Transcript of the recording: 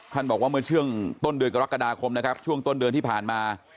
บอกว่าเมื่อช่วงต้นเดือนกรกฎาคมนะครับช่วงต้นเดือนที่ผ่านมา